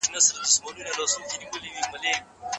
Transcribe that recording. بهرنی سیاست د ملتونو د اقتصادي پرمختګ لپاره دی.